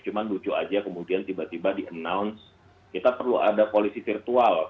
cuma lucu aja kemudian tiba tiba di announce kita perlu ada polisi virtual